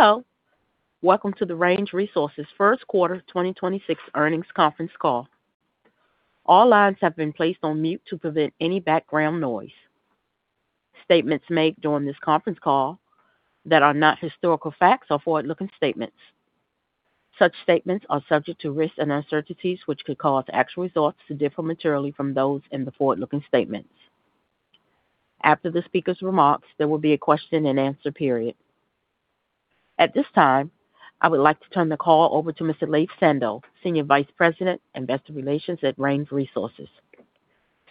Hello, welcome to the Range Resources first quarter 2026 earnings conference call. All lines have been placed on mute to prevent any background noise. Statements made during this conference call that are not historical facts are forward-looking statements. Such statements are subject to risks and uncertainties, which could cause actual results to differ materially from those in the forward-looking statements. After the speaker's remarks, there will be a question-and-answer period. At this time, I would like to turn the call over to Mr. Laith Sando, Senior Vice President, Investor Relations at Range Resources.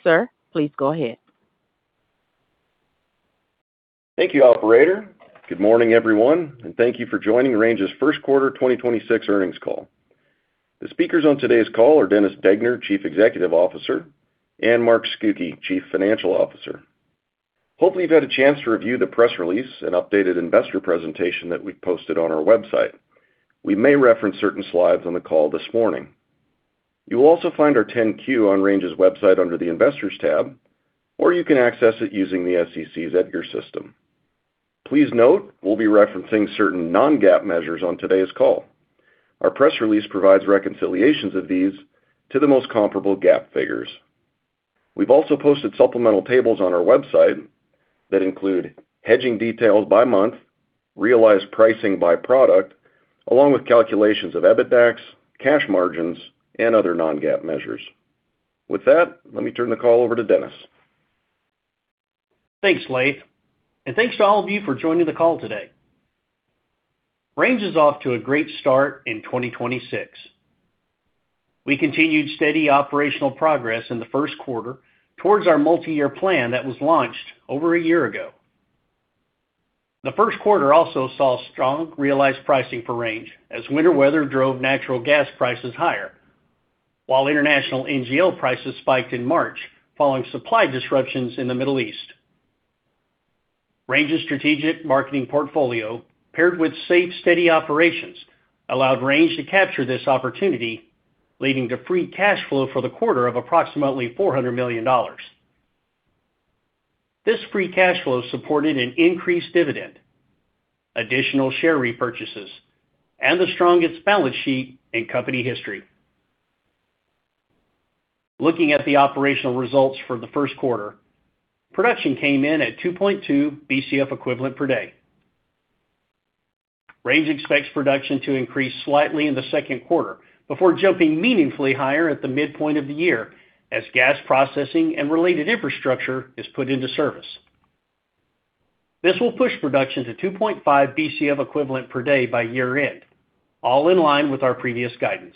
Sir, please go ahead. Thank you, operator. Good morning, everyone, and thank you for joining Range's first quarter 2026 earnings call. The speakers on today's call are Dennis Degner, Chief Executive Officer, and Mark Scucchi, Chief Financial Officer. Hopefully, you've had a chance to review the press release and updated investor presentation that we've posted on our website. We may reference certain slides on the call this morning. You will also find our 10-Q on Range's website under the Investors tab, or you can access it using the SEC's EDGAR system. Please note, we'll be referencing certain non-GAAP measures on today's call. Our press release provides reconciliations of these to the most comparable GAAP figures. We've also posted supplemental tables on our website that include hedging details by month, realized pricing by product, along with calculations of EBITDAX, cash margins, and other non-GAAP measures. With that, let me turn the call over to Dennis. Thanks, Laith, and thanks to all of you for joining the call today. Range is off to a great start in 2026. We continued steady operational progress in the first quarter towards our multi-year plan that was launched over a year ago. The first quarter also saw strong realized pricing for Range as winter weather drove natural gas prices higher, while international NGL prices spiked in March following supply disruptions in the Middle East. Range's strategic marketing portfolio, paired with safe, steady operations, allowed Range to capture this opportunity, leading to free cash flow for the quarter of approximately $400 million. This free cash flow supported an increased dividend, additional share repurchases, and the strongest balance sheet in company history. Looking at the operational results for the first quarter, production came in at 2.2 Bcf equivalent per day. Range expects production to increase slightly in the second quarter before jumping meaningfully higher at the midpoint of the year, as gas processing and related infrastructure is put into service. This will push production to 2.5 Bcf equivalent per day by year-end, all in line with our previous guidance.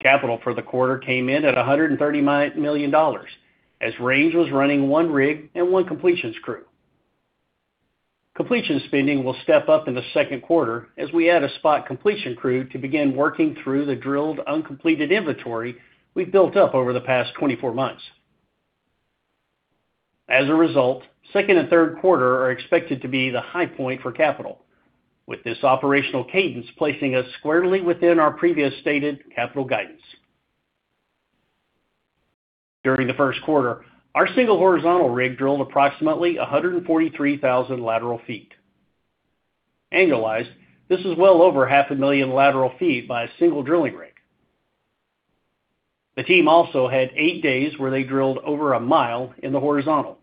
Capital for the quarter came in at $139 million, as Range was running one rig and one completions crew. Completion spending will step up in the second quarter as we add a spot completion crew to begin working through the drilled uncompleted inventory we've built up over the past 24 months. As a result, second and third quarter are expected to be the high point for capital with this operational cadence placing us squarely within our previous stated capital guidance. During the first quarter, our single horizontal rig drilled approximately 143,000 lateral feet. Annualized, this is well over 500,000 lateral feet by a single drilling rig. The team also had eight days where they drilled over a mile in the horizontal,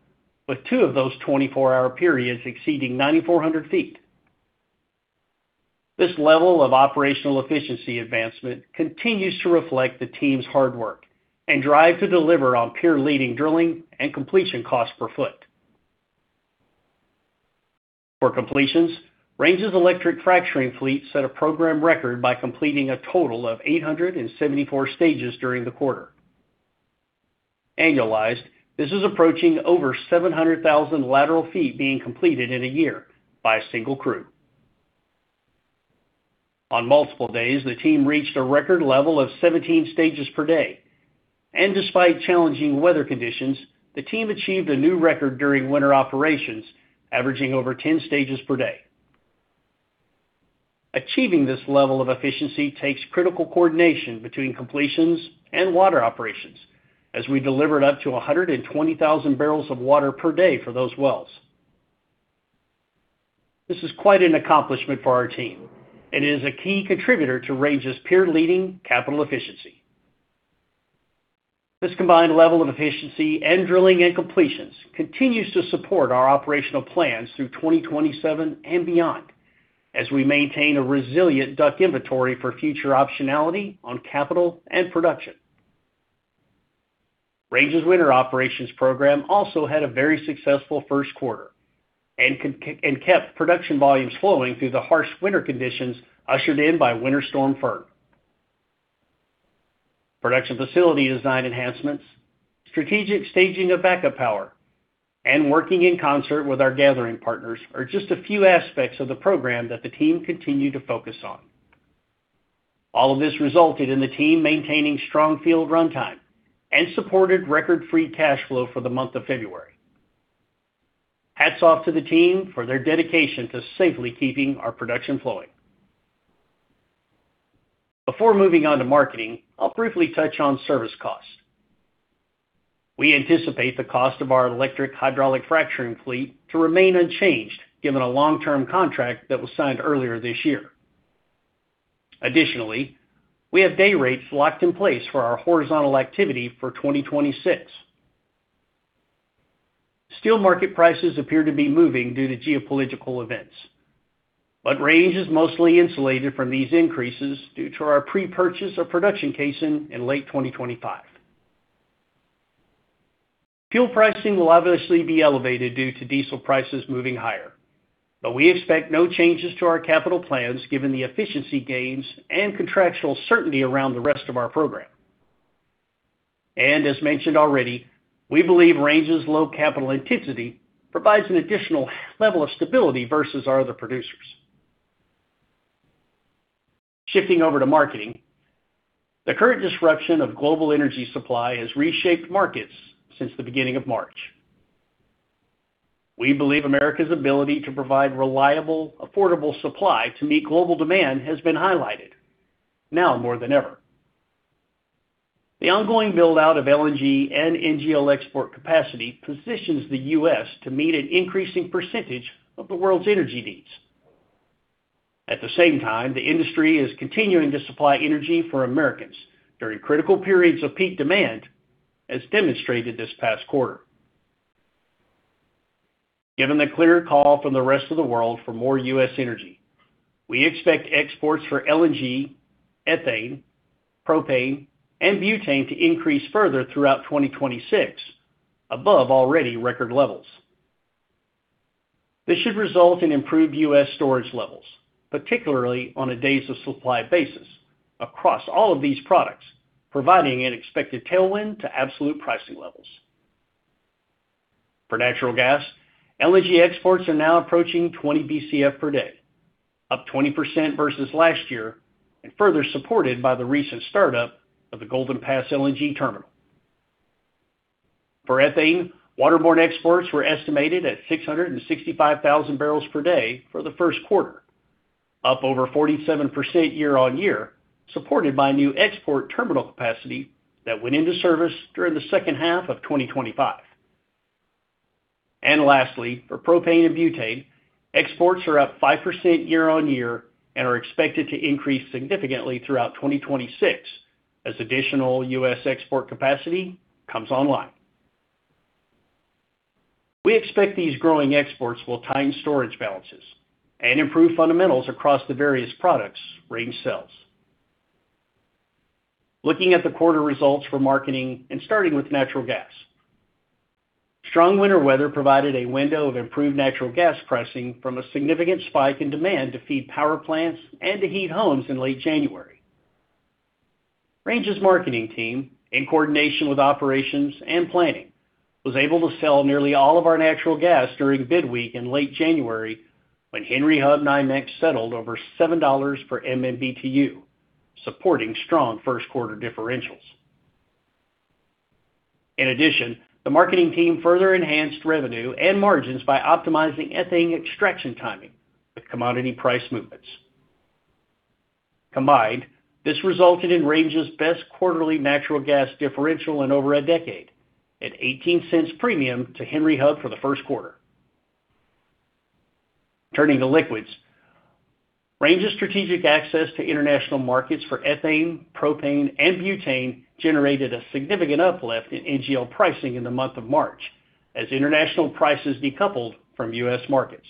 with two of those 24-hour periods exceeding 9,400 feet. This level of operational efficiency advancement continues to reflect the team's hard work and drive to deliver on peer-leading drilling and completion costs per foot. For completions, Range's electric fracturing fleet set a program record by completing a total of 874 stages during the quarter. Annualized, this is approaching over 700,000 lateral feet being completed in a year by a single crew. On multiple days, the team reached a record level of 17 stages per day, and despite challenging weather conditions, the team achieved a new record during winter operations, averaging over 10 stages per day. Achieving this level of efficiency takes critical coordination between completions and water operations, as we delivered up to 120,000 bbl of water per day for those wells. This is quite an accomplishment for our team and is a key contributor to Range's peer-leading capital efficiency. This combined level of efficiency and drilling and completions continues to support our operational plans through 2027 and beyond, as we maintain a resilient DUC inventory for future optionality on capital and production. Range's winter operations program also had a very successful first quarter and kept production volumes flowing through the harsh winter conditions ushered in by Winter Storm Fern. Production facility design enhancements, strategic staging of backup power, and working in concert with our gathering partners are just a few aspects of the program that the team continued to focus on. All of this resulted in the team maintaining strong field runtime and supported record-free cash flow for the month of February. Hats off to the team for their dedication to safely keeping our production flowing. Before moving on to marketing, I'll briefly touch on service cost. We anticipate the cost of our electric hydraulic fracturing fleet to remain unchanged given a long-term contract that was signed earlier this year. Additionally, we have day rates locked in place for our horizontal activity for 2026. Steel market prices appear to be moving due to geopolitical events. Range is mostly insulated from these increases due to our pre-purchase of production casing in late 2025. Fuel pricing will obviously be elevated due to diesel prices moving higher. We expect no changes to our capital plans given the efficiency gains and contractual certainty around the rest of our program. As mentioned already, we believe Range's low capital intensity provides an additional level of stability versus our other producers. Shifting over to marketing, the current disruption of global energy supply has reshaped markets since the beginning of March. We believe America's ability to provide reliable, affordable supply to meet global demand has been highlighted, now more than ever. The ongoing build-out of LNG and NGL export capacity positions the U.S. to meet an increasing percentage of the world's energy needs. At the same time, the industry is continuing to supply energy for Americans during critical periods of peak demand, as demonstrated this past quarter. Given the clear call from the rest of the world for more U.S. energy, we expect exports for LNG, ethane, propane, and butane to increase further throughout 2026, above already record levels. This should result in improved U.S. storage levels, particularly on a days of supply basis, across all of these products, providing an expected tailwind to absolute pricing levels. For natural gas, LNG exports are now approaching 20 Bcf per day, up 20% versus last year and further supported by the recent startup of the Golden Pass LNG terminal. For ethane, waterborne exports were estimated at 665,000 bbl per day for the first quarter, up over 47% year-over-year, supported by new export terminal capacity that went into service during the second half of 2025. Lastly, for propane and butane, exports are up 5% year-over-year and are expected to increase significantly throughout 2026 as additional U.S. export capacity comes online. We expect these growing exports will tighten storage balances and improve fundamentals across the various products Range sells. Looking at the quarter results for marketing and starting with natural gas. Strong winter weather provided a window of improved natural gas pricing from a significant spike in demand to feed power plants and to heat homes in late January. Range's marketing team, in coordination with operations and planning, was able to sell nearly all of our natural gas during bid week in late January when Henry Hub NYMEX settled over $7 per MMBtu, supporting strong first quarter differentials. In addition, the marketing team further enhanced revenue and margins by optimizing ethane extraction timing with commodity price movements. Combined, this resulted in Range's best quarterly natural gas differential in over a decade at $0.18 premium to Henry Hub for the first quarter. Turning to liquids. Range's strategic access to international markets for ethane, propane, and butane generated a significant uplift in NGL pricing in the month of March as international prices decoupled from U.S. markets.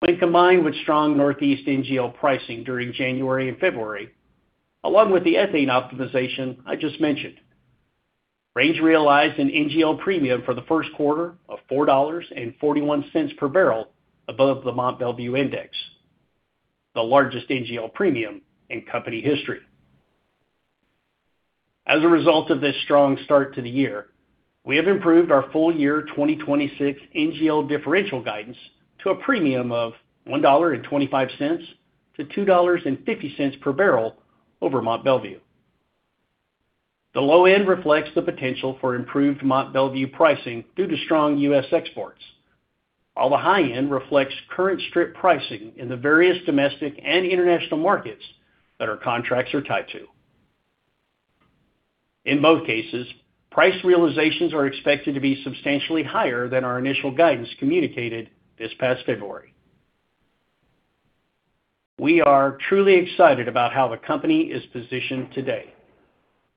When combined with strong Northeast NGL pricing during January and February, along with the ethane optimization I just mentioned, Range realized an NGL premium for the first quarter of $4.41 per barrel above the Mont Belvieu index, the largest NGL premium in company history. As a result of this strong start to the year, we have improved our full year 2026 NGL differential guidance to a premium of $1.25-$2.50/bbl over Mont Belvieu. The low end reflects the potential for improved Mont Belvieu pricing due to strong U.S. exports, while the high end reflects current strip pricing in the various domestic and international markets that our contracts are tied to. In both cases, price realizations are expected to be substantially higher than our initial guidance communicated this past February. We are truly excited about how the company is positioned today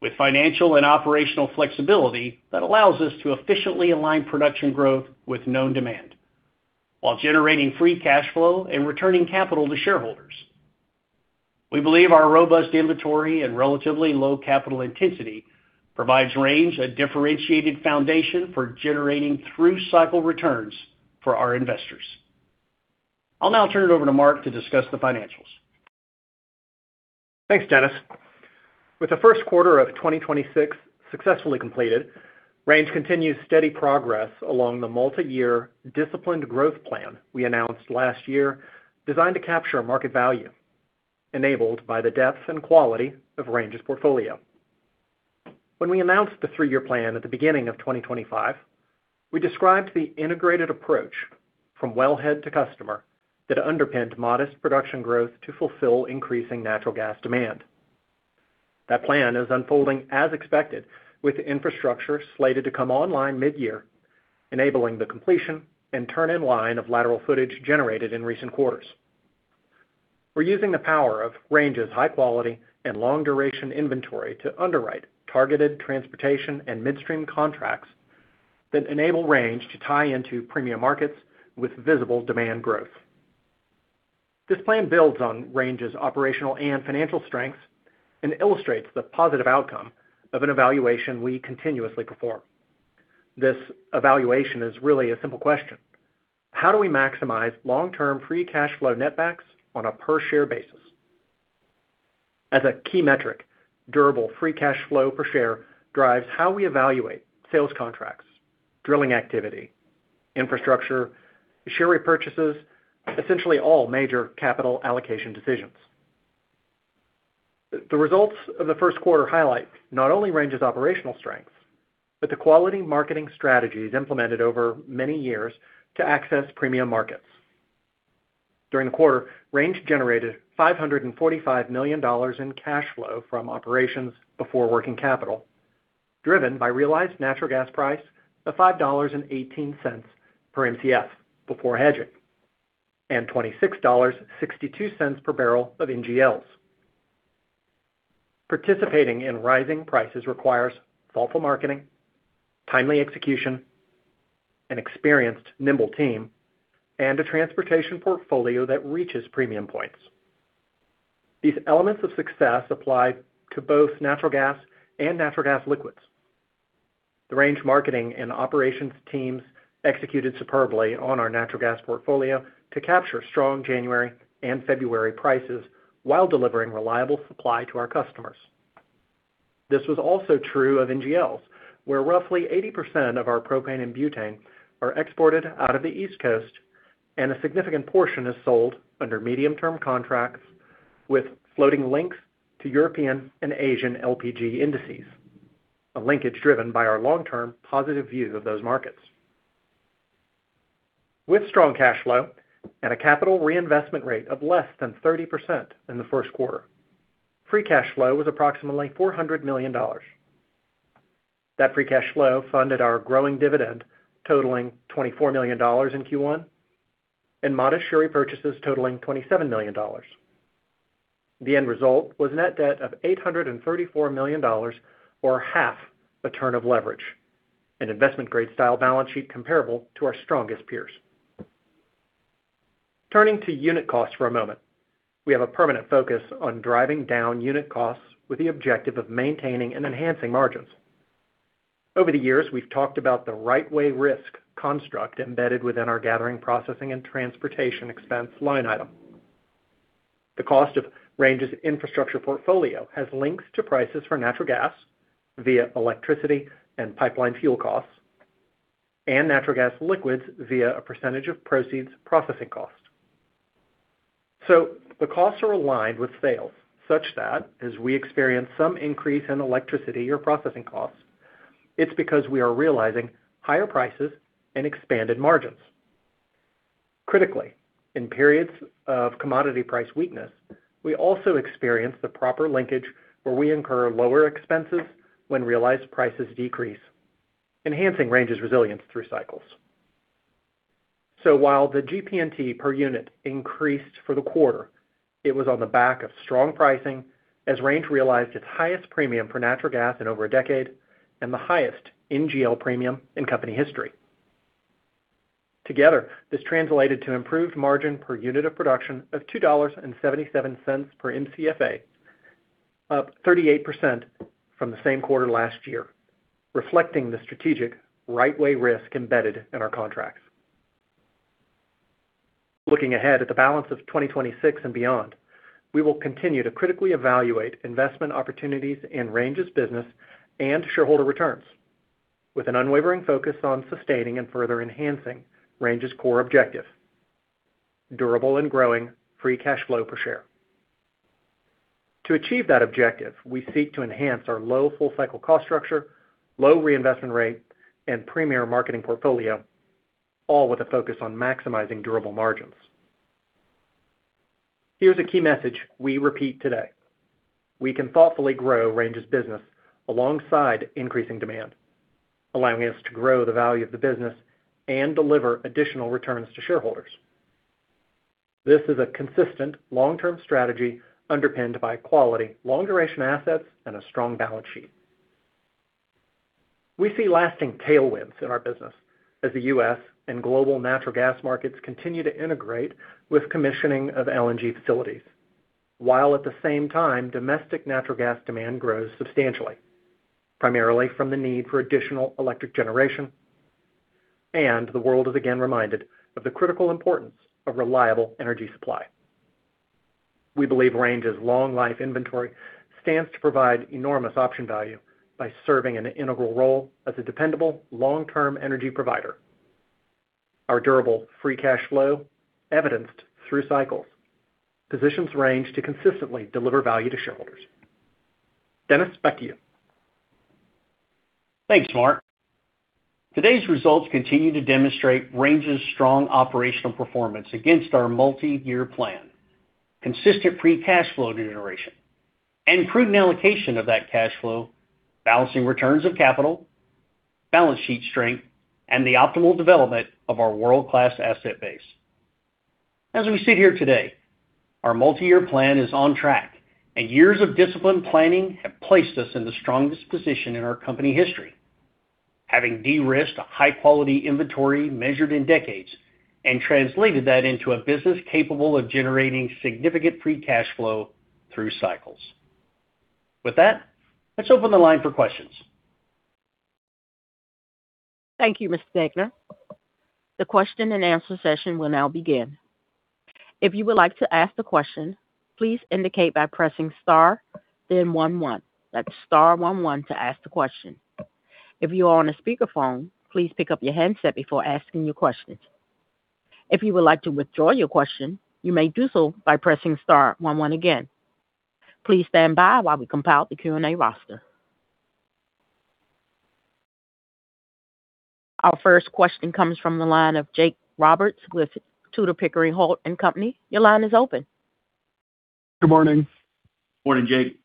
with financial and operational flexibility that allows us to efficiently align production growth with known demand while generating free cash flow and returning capital to shareholders. We believe our robust inventory and relatively low capital intensity provides Range a differentiated foundation for generating through-cycle returns for our investors. I'll now turn it over to Mark to discuss the financials. Thanks, Dennis. With the first quarter of 2026 successfully completed, Range continues steady progress along the multi-year disciplined growth plan we announced last year designed to capture market value enabled by the depth and quality of Range's portfolio. When we announced the three-year plan at the beginning of 2025, we described the integrated approach from well head to customer that underpinned modest production growth to fulfill increasing natural gas demand. That plan is unfolding as expected, with infrastructure slated to come online mid-year, enabling the completion and turn in line of lateral footage generated in recent quarters. We're using the power of Range's high quality and long duration inventory to underwrite targeted transportation and midstream contracts that enable Range to tie into premium markets with visible demand growth. This plan builds on Range's operational and financial strengths and illustrates the positive outcome of an evaluation we continuously perform. This evaluation is really a simple question: How do we maximize long-term free cash flow net backs on a per-share basis? As a key metric, durable free cash flow per share drives how we evaluate sales contracts, drilling activity, infrastructure, share repurchases, essentially all major capital allocation decisions. The results of the first quarter highlight not only Range's operational strengths, but the quality marketing strategies implemented over many years to access premium markets. During the quarter, Range generated $545 million in cash flow from operations before working capital, driven by realized natural gas price of $5.18 per Mcf before hedging, and $26.62/bbl of NGLs. Participating in rising prices requires thoughtful marketing, timely execution, an experienced, nimble team, and a transportation portfolio that reaches premium points. These elements of success apply to both natural gas and natural gas liquids. The Range marketing and operations teams executed superbly on our natural gas portfolio to capture strong January and February prices while delivering reliable supply to our customers. This was also true of NGLs, where roughly 80% of our propane and butane are exported out of the East Coast, and a significant portion is sold under medium-term contracts with floating links to European and Asian LPG indices, a linkage driven by our long-term positive view of those markets. With strong cash flow and a capital reinvestment rate of less than 30% in the first quarter, free cash flow was approximately $400 million. That free cash flow funded our growing dividend, totaling $24 million in Q1, and modest share repurchases totaling $27 million. The end result was net debt of $834 million, or half the turn of leverage, an investment-grade style balance sheet comparable to our strongest peers. Turning to unit costs for a moment, we have a permanent focus on driving down unit costs with the objective of maintaining and enhancing margins. Over the years, we've talked about the right way risk construct embedded within our gathering, processing, and transportation expense line item. The cost of Range's infrastructure portfolio has links to prices for natural gas via electricity and pipeline fuel costs, and natural gas liquids via a percentage of proceeds processing costs. The costs are aligned with sales, such that as we experience some increase in electricity or processing costs, it's because we are realizing higher prices and expanded margins. Critically, in periods of commodity price weakness, we also experience the proper linkage where we incur lower expenses when realized prices decrease, enhancing Range's resilience through cycles. While the GP&T per unit increased for the quarter, it was on the back of strong pricing as Range realized its highest premium for natural gas in over a decade and the highest NGL premium in company history. Together, this translated to improved margin per unit of production of $2.77 per Mcfe, up 38% from the same quarter last year, reflecting the strategic right way risk embedded in our contracts. Looking ahead at the balance of 2026 and beyond, we will continue to critically evaluate investment opportunities in Range's business and shareholder returns with an unwavering focus on sustaining and further enhancing Range's core objective, durable and growing free cash flow per share. To achieve that objective, we seek to enhance our low full cycle cost structure, low reinvestment rate, and premier marketing portfolio, all with a focus on maximizing durable margins. Here's a key message we repeat today. We can thoughtfully grow Range's business alongside increasing demand, allowing us to grow the value of the business and deliver additional returns to shareholders. This is a consistent long-term strategy underpinned by quality, long-duration assets, and a strong balance sheet. We see lasting tailwinds in our business as the U.S. and global natural gas markets continue to integrate with commissioning of LNG facilities, while at the same time, domestic natural gas demand grows substantially, primarily from the need for additional electric generation, and the world is again reminded of the critical importance of reliable energy supply. We believe Range's long life inventory stands to provide enormous option value by serving an integral role as a dependable long-term energy provider. Our durable free cash flow evidenced through cycles positions Range to consistently deliver value to shareholders. Dennis, back to you. Thanks, Mark. Today's results continue to demonstrate Range's strong operational performance against our multi-year plan, consistent free cash flow generation, and prudent allocation of that cash flow, balancing returns of capital, balance sheet strength, and the optimal development of our world-class asset base. As we sit here today, our multi-year plan is on track, and years of disciplined planning have placed us in the strongest position in our company history, having de-risked a high-quality inventory measured in decades and translated that into a business capable of generating significant free cash flow through cycles. With that, let's open the line for questions. Thank you, Mr. Degner. The question and answer session will now begin. If you would like to ask the question, please indicate by pressing star then one one. That's star one one to ask the question. If you are on a speakerphone, please pick up your handset before asking your questions. If you would like to withdraw your question, you may do so by pressing star one one again. Please stand by while we compile the Q&A roster. Our first question comes from the line of Jake Roberts with Tudor, Pickering, Holt & Co. Your line is open. Good morning. Morning, Jake.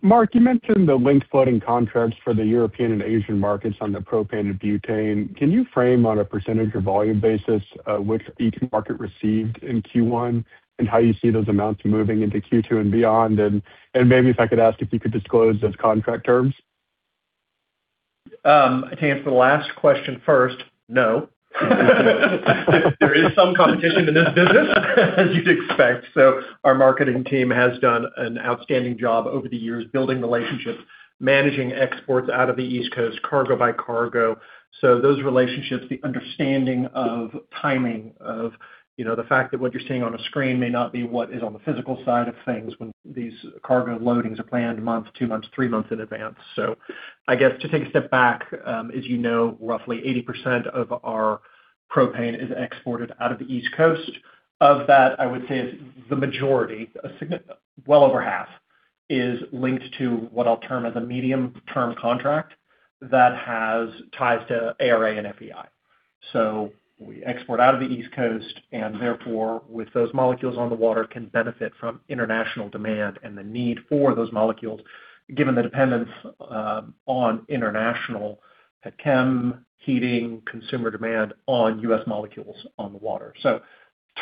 Mark, you mentioned the linked floating contracts for the European and Asian markets on the propane and butane. Can you frame on a percentage or volume basis which each market received in Q1, and how you see those amounts moving into Q2 and beyond? Maybe if I could ask if you could disclose those contract terms? To answer the last question first, no. There is some competition in this business as you'd expect. Our marketing team has done an outstanding job over the years, building relationships, managing exports out of the East Coast, cargo by cargo. Those relationships, the understanding of timing of the fact that what you're seeing on a screen may not be what is on the physical side of things when these cargo loadings are planned months, two months, three months in advance. I guess to take a step back, as you know, roughly 80% of our propane is exported out of the East Coast. Of that, I would say the majority, well over half, is linked to what I'll term as a medium-term contract that has ties to ARA and FEI. We export out of the East Coast and therefore, with those molecules on the water, can benefit from international demand and the need for those molecules, given the dependence on international petchem, heating, consumer demand on U.S. molecules on the water.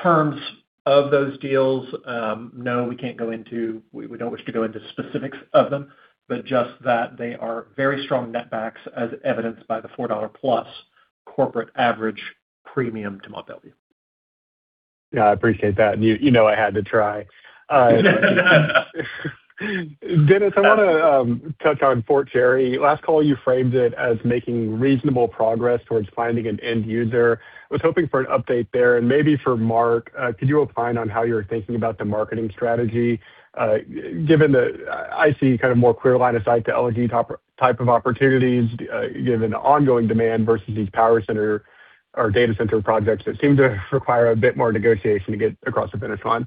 Terms of those deals, no, we don't wish to go into specifics of them, but just that they are very strong net backs as evidenced by the $4+ corporate average premium to Mont Belvieu. Yeah, I appreciate that. You know I had to try. Dennis, I want to touch on Fort Cherry. Last call, you framed it as making reasonable progress towards finding an end user. I was hoping for an update there and maybe for Mark, could you opine on how you're thinking about the marketing strategy? Given the, I see kind of more clear line of sight to LNG type of opportunities, given the ongoing demand versus these power center or data center projects that seem to require a bit more negotiation to get across the finish line.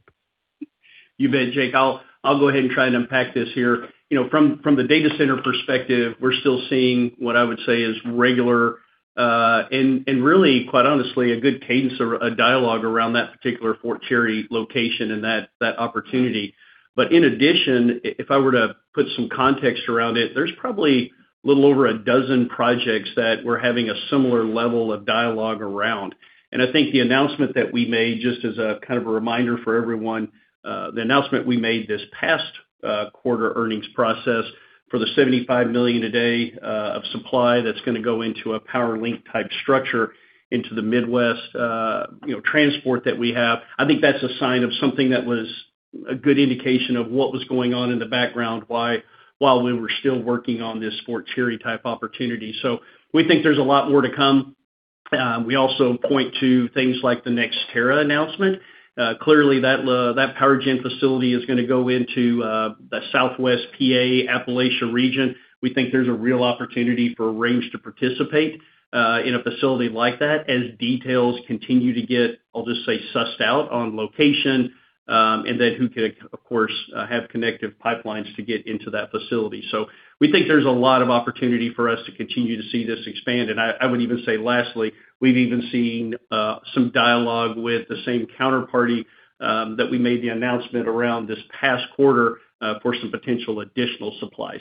You bet, Jake. I'll go ahead and try and unpack this here. From the data center perspective, we're still seeing what I would say is regular, and really, quite honestly, a good cadence or a dialogue around that particular Fort Cherry location and that opportunity. In addition, if I were to put some context around it, there's probably a little over a dozen projects that we're having a similar level of dialogue around. I think the announcement that we made, just as a kind of a reminder for everyone, the announcement we made this past quarter earnings process for the 75 MMbpd of supply that's going to go into a power link type structure into the Midwest transport that we have. I think that's a sign of something that was a good indication of what was going on in the background while we were still working on this Fort Cherry type opportunity. We think there's a lot more to come. We also point to things like the NextEra announcement. Clearly that power gen facility is going to go into the southwest PA, Appalachia region. We think there's a real opportunity for Range to participate in a facility like that as details continue to get, I'll just say, sussed out on location. Who could, of course, have connective pipelines to get into that facility. We think there's a lot of opportunity for us to continue to see this expand. I would even say lastly, we've even seen some dialogue with the same counterparty that we made the announcement around this past quarter for some potential additional supply.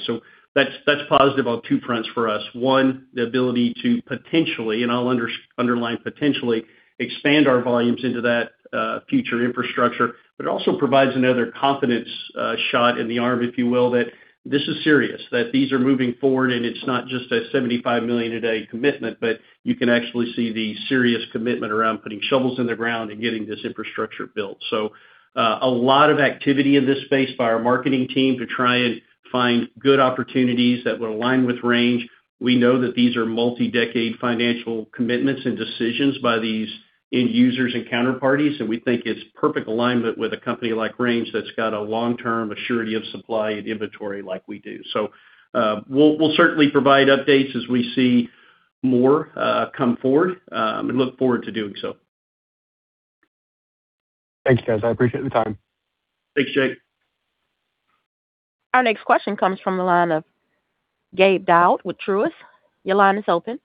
That's positive on two fronts for us. One, the ability to potentially, and I'll underline potentially, expand our volumes into that future infrastructure. It also provides another confidence shot in the arm, if you will, that this is serious, that these are moving forward and it's not just a 75 MMbpd commitment, but you can actually see the serious commitment around putting shovels in the ground and getting this infrastructure built. A lot of activity in this space by our marketing team to try and find good opportunities that will align with Range. We know that these are multi-decade financial commitments and decisions by these end users and counterparties, and we think it's perfect alignment with a company like Range that's got a long-term surety of supply and inventory like we do. We'll certainly provide updates as we see more come forward, and look forward to doing so. Thanks guys. I appreciate the time. Thanks, Jake. Our next question comes from the line of Gabe Daoud with Truist. Your line is open.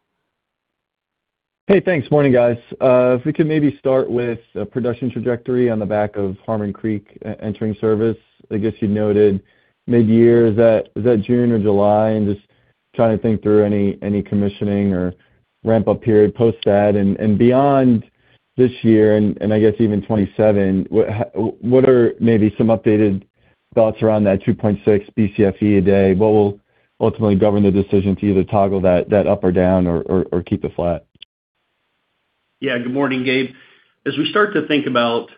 Hey, thanks. Morning, guys. If we could maybe start with production trajectory on the back of Harmon Creek entering service. I guess you noted mid-year. Is that June or July? Just trying to think through any commissioning or ramp-up period post that. Beyond this year and I guess even 2027, what are maybe some updated thoughts around that 2.6 Bcfe a day? What will ultimately govern the decision to either toggle that up or down or keep it flat? Yeah. Good morning, Gabe. As we start to think about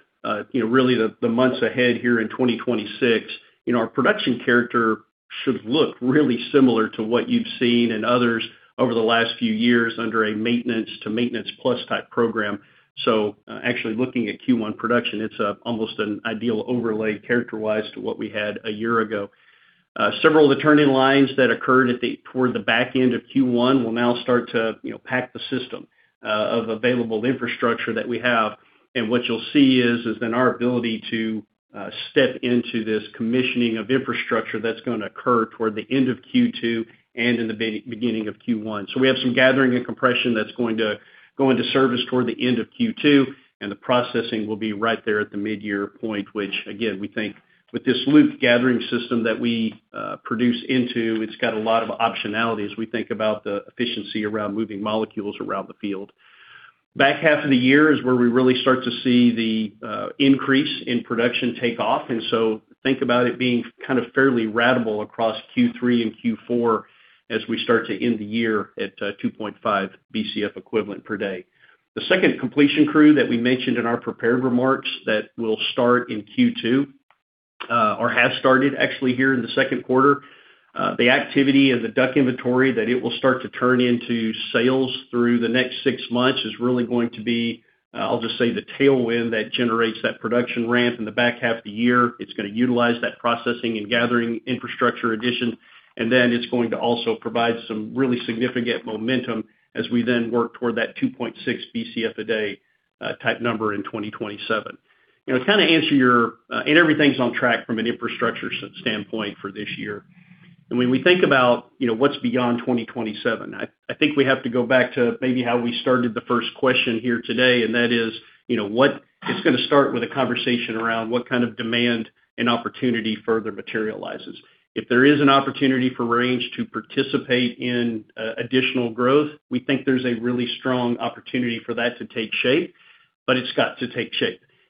really the months ahead here in 2026, our production character should look really similar to what you've seen in others over the last few years under a maintenance to maintenance plus type program. Actually looking at Q1 production, it's almost an ideal overlay character-wise to what we had a year ago. Several of the turning lines that occurred toward the back end of Q1 will now start to pack the system of available infrastructure that we have. What you'll see is then our ability to step into this commissioning of infrastructure that's going to occur toward the end of Q2 and in the beginning of Q1. We have some gathering and compression that's going to go into service toward the end of Q2, and the processing will be right there at the mid-year point, which again, we think with this loop gathering system that we produce into, it's got a lot of optionality as we think about the efficiency around moving molecules around the field. Back half of the year is where we really start to see the increase in production take off, and so think about it being kind of fairly ratable across Q3 and Q4 as we start to end the year at 2.5 Bcf equivalent per day. The second completion crew that we mentioned in our prepared remarks that will start in Q2, or has started actually here in the second quarter. The activity of the DUC inventory that it will start to turn into sales through the next six months is really going to be, I'll just say, the tailwind that generates that production ramp in the back half of the year. It's going to utilize that processing and gathering infrastructure addition, and then it's going to also provide some really significant momentum as we then work toward that 2.6 Bcf a day type number in 2027. Everything's on track from an infrastructure standpoint for this year. When we think about what's beyond 2027, I think we have to go back to maybe how we started the first question here today, and that is, it's going to start with a conversation around what kind of demand and opportunity further materializes. If there is an opportunity for Range to participate in additional growth, we think there's a really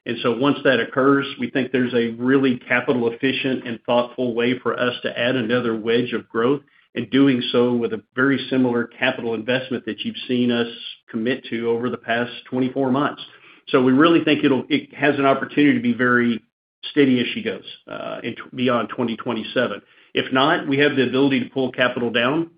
strong opportunity for that to take shape, but it's got to take shape. Once that occurs, we think there's a really capital efficient and thoughtful way for us to add another wedge of growth, and doing so with a very similar capital investment that you've seen us commit to over the past 24 months. We really think it has an opportunity to be very steady as she goes beyond 2027. If not, we have the ability to pull capital down,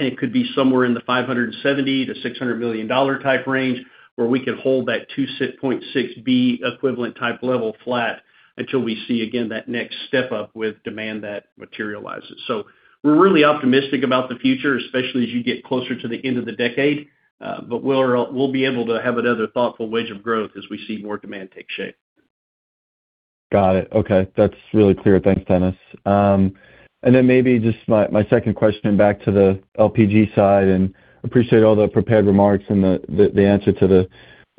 and it could be somewhere in the $570 million-$600 million type range, where we could hold that $2.6 billion equivalent type level flat until we see again that next step up with demand that materializes. We're really optimistic about the future, especially as you get closer to the end of the decade. We'll be able to have another thoughtful wedge of growth as we see more demand take shape. Got it. Okay. That's really clear. Thanks, Dennis. Maybe just my second question back to the LPG side, and appreciate all the prepared remarks and the answer to the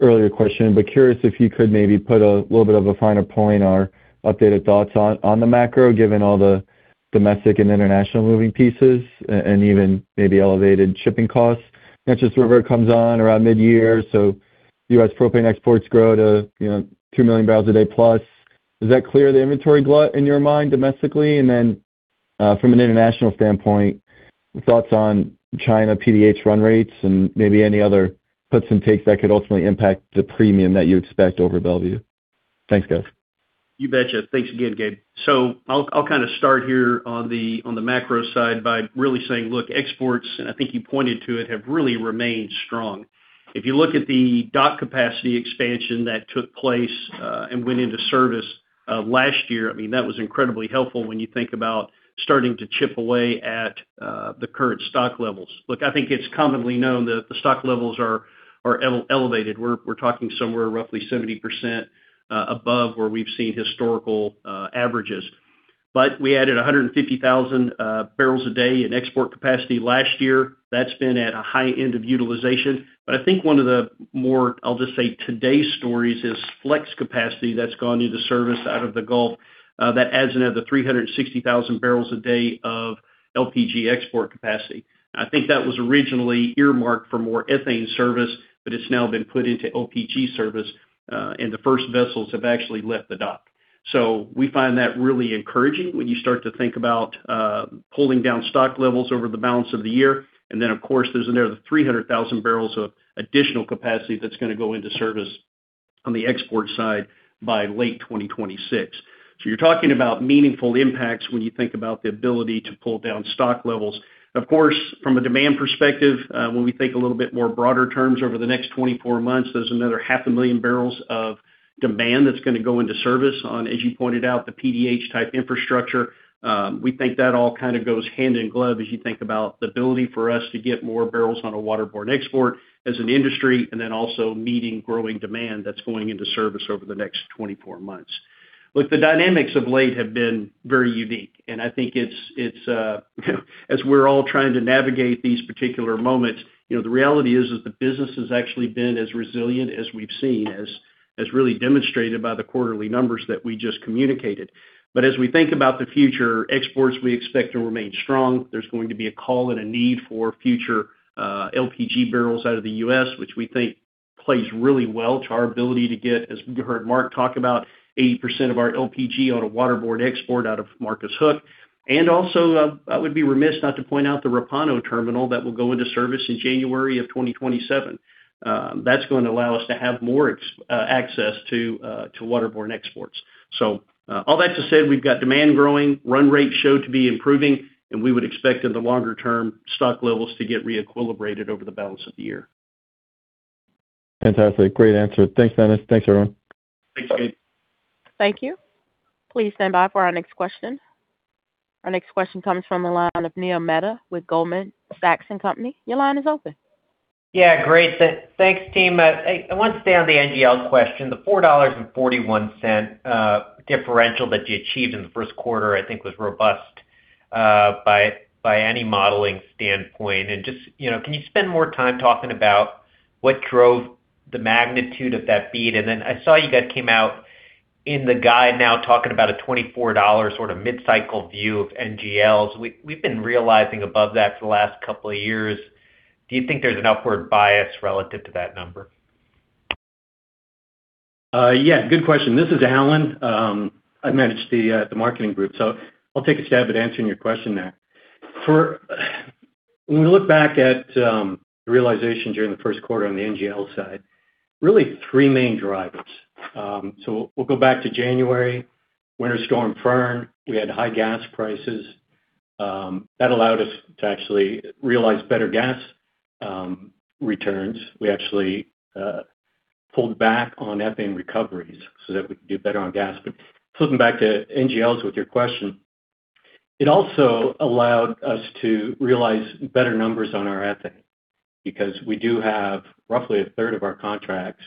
earlier question, but curious if you could maybe put a little bit of a finer point or updated thoughts on the macro, given all the domestic and international moving pieces and even maybe elevated shipping costs. Enterprise comes on around mid-year, so U.S. propane exports grow to 2 MMbpd+. Does that clear the inventory glut in your mind domestically? From an international standpoint, thoughts on China PDH run rates and maybe any other puts and takes that could ultimately impact the premium that you expect over Mont Belvieu. Thanks, guys. You betcha. Thanks again, Gabe. I'll kind of start here on the macro side by really saying, look, exports, and I think you pointed to it, have really remained strong. If you look at the dock capacity expansion that took place and went into service last year, I mean, that was incredibly helpful when you think about starting to chip away at the current stock levels. Look, I think it's commonly known that the stock levels are elevated. We're talking somewhere roughly 70% above where we've seen historical averages. We added 150,000 bbl a day in export capacity last year. That's been at a high end of utilization. I think one of the more, I'll just say, today's stories is flex capacity that's gone into service out of the Gulf. That adds another 360,000 bbl a day of LPG export capacity. I think that was originally earmarked for more ethane service, but it's now been put into LPG service, and the first vessels have actually left the dock. We find that really encouraging when you start to think about pulling down stock levels over the balance of the year. Of course, there's another 300,000 bbl of additional capacity that's going to go into service on the export side by late 2026. You're talking about meaningful impacts when you think about the ability to pull down stock levels. Of course, from a demand perspective, when we think a little bit more broader terms over the next 24 months, there's another 500,000 bbl of demand that's going to go into service on, as you pointed out, the PDH type infrastructure. We think that all kind of goes hand in glove as you think about the ability for us to get more barrels on a waterborne export as an industry, and then also meeting growing demand that's going into service over the next 24 months. Look, the dynamics of late have been very unique, and I think as we're all trying to navigate these particular moments, the reality is that the business has actually been as resilient as we've seen, as really demonstrated by the quarterly numbers that we just communicated. As we think about the future, exports we expect to remain strong. There's going to be a call and a need for future LPG barrels out of the U.S., which we think plays really well to our ability to get, as you heard Mark talk about, 80% of our LPG on a waterborne export out of Marcus Hook. Also, I would be remiss not to point out the Repauno terminal that will go into service in January of 2027. That's going to allow us to have more access to waterborne exports. All that to say, we've got demand growing, run rates show to be improving, and we would expect in the longer term, stock levels to get re-equilibrated over the balance of the year. Fantastic. Great answer. Thanks, Dennis. Thanks, everyone. Thanks, Gabe. Thank you. Please stand by for our next question. Our next question comes from the line of Neil Mehta with Goldman Sachs & Company. Your line is open. Yeah, great. Thanks, team. I want to stay on the NGL question. The $4.41 differential that you achieved in the first quarter, I think, was robust by any modeling standpoint. Can you spend more time talking about what drove the magnitude of that beat? I saw you guys came out in the guide now talking about a $24 mid-cycle view of NGLs. We've been realizing above that for the last couple of years. Do you think there's an upward bias relative to that number? Yeah, good question. This is Alan. I manage the marketing group, so I'll take a stab at answering your question there. When we look back at the realization during the first quarter on the NGL side, really three main drivers. We'll go back to January, Winter Storm Fern. We had high gas prices. That allowed us to actually realize better gas returns. We actually pulled back on ethane recoveries so that we could do better on gas. Flipping back to NGLs with your question, it also allowed us to realize better numbers on our ethane, because we do have roughly a third of our contracts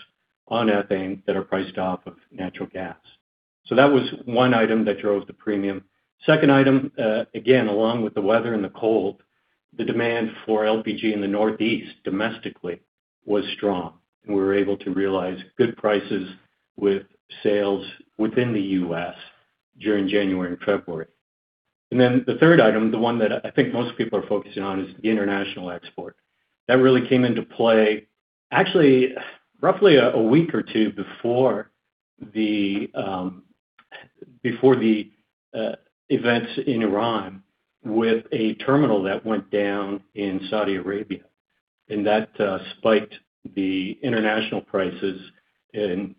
on ethane that are priced off of natural gas. That was one item that drove the premium. Second item, again, along with the weather and the cold, the demand for LPG in the Northeast, domestically, was strong, and we were able to realize good prices with sales within the U.S. during January and February. The third item, the one that I think most people are focusing on, is the international export. That really came into play actually roughly a week or two before the events in Iran with a terminal that went down in Saudi Arabia, and that spiked the international prices,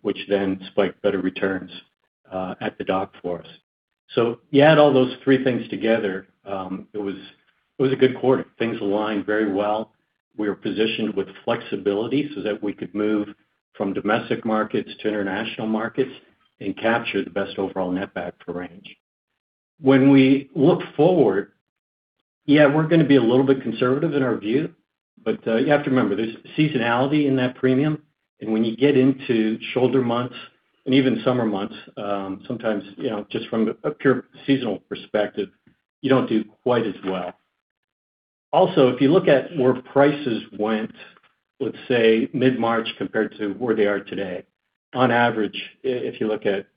which then spiked better returns at the dock for us. You add all those three things together. It was a good quarter. Things aligned very well. We were positioned with flexibility so that we could move from domestic markets to international markets and capture the best overall net back for Range. When we look forward, yeah, we're going to be a little bit conservative in our view, but you have to remember, there's seasonality in that premium, and when you get into shoulder months and even summer months, sometimes just from a pure seasonal perspective, you don't do quite as well. Also, if you look at where prices went, let's say mid-March compared to where they are today, on average, if you look at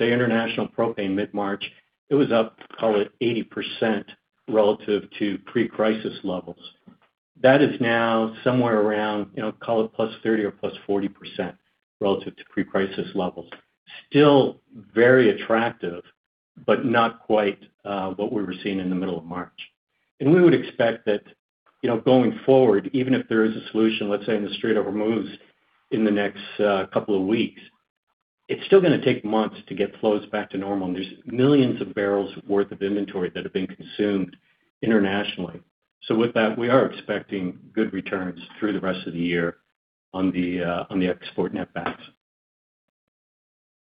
international propane mid-March, it was up, call it 80% relative to pre-crisis levels. That is now somewhere around, call it +30% or +40% relative to pre-crisis levels. Still very attractive, but not quite what we were seeing in the middle of March. We would expect that going forward, even if there is a solution, let's say, and the Strait of Hormuz in the next couple of weeks, it's still going to take months to get flows back to normal, and there's millions of barrels worth of inventory that have been consumed internationally. With that, we are expecting good returns through the rest of the year on the export net backs.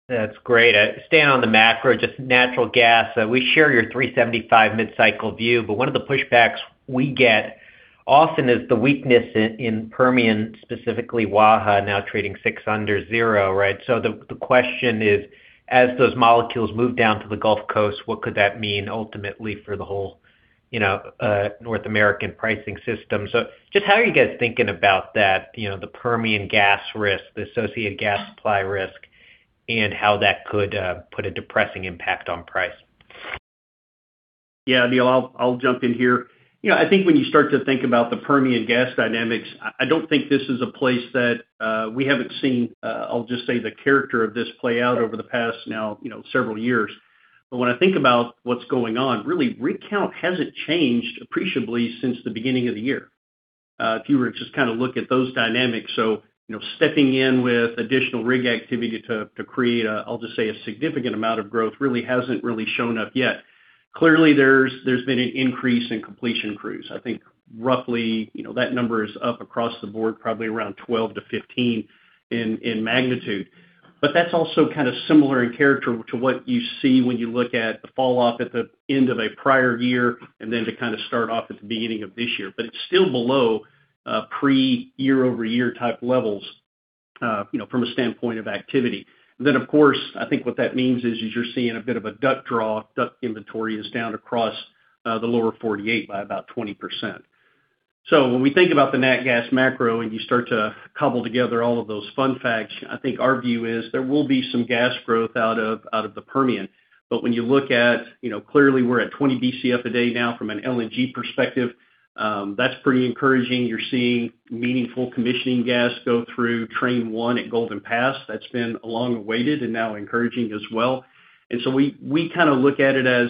That's great. Staying on the macro, just natural gas, we share your 375 mid-cycle view, one of the pushbacks we get often is the weakness in Permian, specifically Waha, now trading six under zero, right? The question is, as those molecules move down to the Gulf Coast, what could that mean ultimately for the whole North American pricing system? Just how are you guys thinking about that, the Permian gas risk, the associated gas supply risk, and how that could put a depressing impact on price? Yeah, Neil, I'll jump in here. I think when you start to think about the Permian gas dynamics, I don't think this is a place that we haven't seen, I'll just say, the character of this play out over the past now several years. When I think about what's going on, really, rig count hasn't changed appreciably since the beginning of the year. If you were to just kind of look at those dynamics. Stepping in with additional rig activity to create, I'll just say, a significant amount of growth really hasn't shown up yet. Clearly, there's been an increase in completion crews. I think roughly that number is up across the board, probably around 12-15 in magnitude. That's also kind of similar in character to what you see when you look at the fall off at the end of a prior year and then to kind of start off at the beginning of this year. It's still below prior year-over-year type levels. From a standpoint of activity. Of course, I think what that means is you're seeing a bit of a duct draw. Duct inventory is down across the lower 48 by about 20%. When we think about the nat gas macro and you start to cobble together all of those fun facts, I think our view is there will be some gas growth out of the Permian. When you look at, clearly we're at 20 Bcf a day now from an LNG perspective. That's pretty encouraging. You're seeing meaningful commissioning gas go through train one at Golden Pass. That's been long awaited and now encouraging as well. We look at it as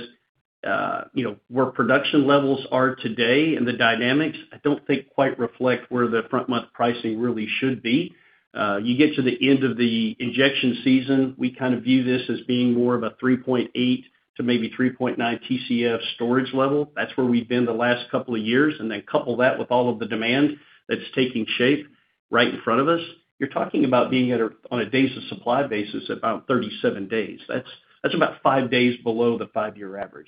where production levels are today and the dynamics, I don't think quite reflect where the front month pricing really should be. You get to the end of the injection season, we view this as being more of a 3.8 Tcf-3.9 Tcf storage level. That's where we've been the last couple of years. Couple that with all of the demand that's taking shape right in front of us. You're talking about being at, on a days of supply basis, about 37 days. That's about five days below the five year average.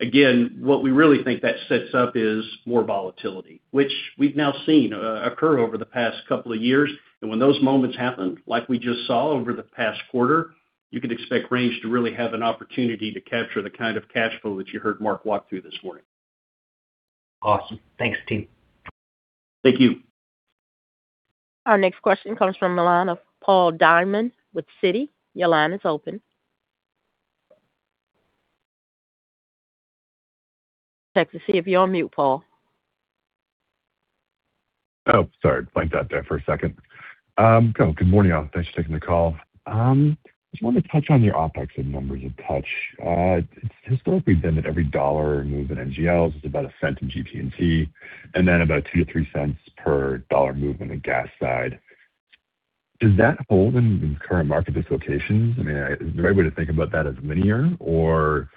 Again, what we really think that sets up is more volatility, which we've now seen occur over the past couple of years. When those moments happen, like we just saw over the past quarter, you can expect Range to really have an opportunity to capture the kind of cash flow that you heard Mark walk through this morning. Awesome. Thanks, team. Thank you. Our next question comes from the line of Paul Diamond with Citi. Your line is open. Check to see if you're on mute, Paul. Oh, sorry. Blanked out there for a second. Good morning, all. Thanks for taking the call. I just wanted to touch on your OpEx and numbers a touch. It's historically been that every dollar move in NGLs is about a cent in GP&T and then about $0.02-$0.03 per dollar move on the gas side. Does that hold in current market dislocations? I mean, is the right way to think about that as linear or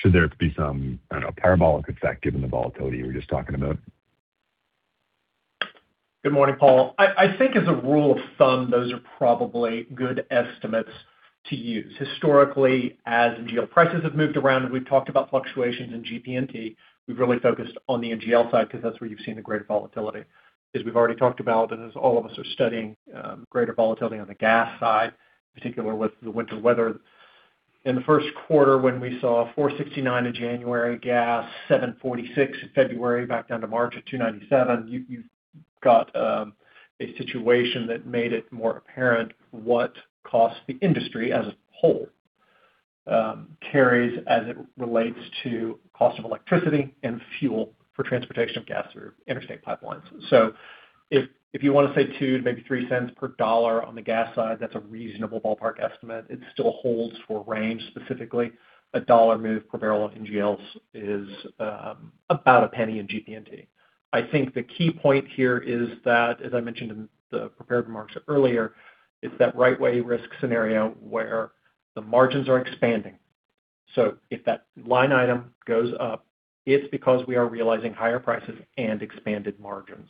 should there be some, I don't know, parabolic effect given the volatility you were just talking about? Good morning, Paul. I think as a rule of thumb, those are probably good estimates to use. Historically, as NGL prices have moved around, and we've talked about fluctuations in GP&T, we've really focused on the NGL side because that's where you've seen the greater volatility. As we've already talked about, and as all of us are studying greater volatility on the gas side, particularly with the winter weather. In the first quarter when we saw $4.69 in January gas, $7.46 in February, back down to March at $2.97, you've got a situation that made it more apparent what costs the industry as a whole carries as it relates to cost of electricity and fuel for transportation of gas through interstate pipelines. If you want to say $0.02 to maybe $0.03 per dollar on the gas side, that's a reasonable ballpark estimate. It still holds for Range, specifically. $1 move per barrel of NGLs is about $0.01 in GP&T. I think the key point here is that, as I mentioned in the prepared remarks earlier, right way risk scenario where the margins are expanding. If that line item goes up, it's because we are realizing higher prices and expanded margins.